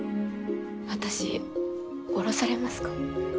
私降ろされますか？